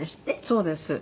そうです。